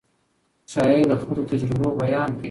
شاعر د خپلو تجربو بیان کوي.